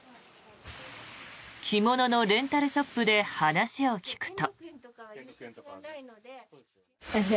着物のレンタルショップで話を聞くと。